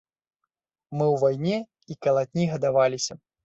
Мы ў вайне і калатні гадаваліся.